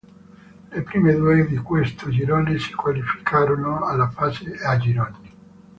Le prime due di questo girone si qualificarono alla fase a gironi.